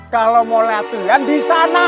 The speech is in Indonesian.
kalau mau latihan disana